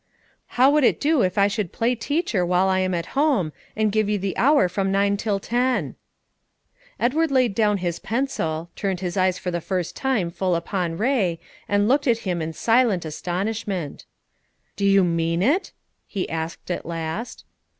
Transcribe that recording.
"How would it do if I should play teacher while I am at home, and give you the hour from nine till ten?" Edward laid down his pencil, turned his eyes for the first time full upon Kay, and looked at him in silent astonishment. "Do you mean it?" he asked at last.